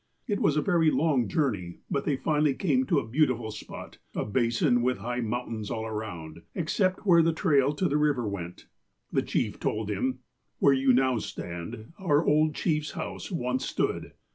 It was a very long jour ney, but they finally came to a beautiful spot, a basin with high mountains all around, except where the trail to the river went. The chief told him : "Where you now stand, our old chief's house once stood.